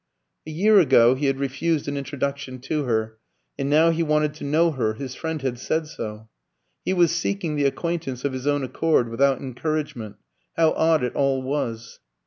A year ago he had refused an introduction to her, and now he wanted to know her; his friend had said so. He was seeking the acquaintance of his own accord, without encouragement. How odd it all was!